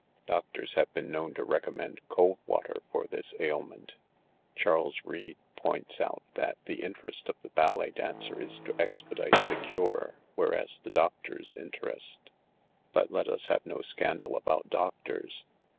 Doctors have been known to recommend cold water for this ailment. Charles Reade points out that the interest of the ballet dancer is to expedite the cure, whereas the doctor's interest ... But let us have no scandal about doctors.